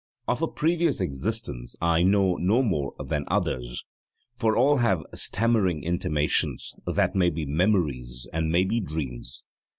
Of a previous existence I know no more than others, for all have stammering intimations that may be memories and may be dreams.